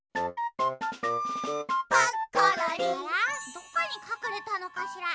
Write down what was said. どこにかくれたのかしら。